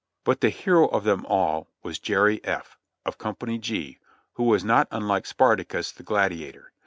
But the hero of them all was Jerry F , of Company G, who was not unlike Spartacus the gladia tor.